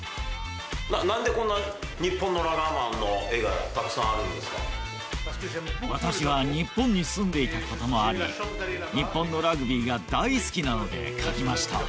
なんでこんな日本のラガーマ私は日本に住んでいたこともあり、日本のラグビーが大好きなので描きました。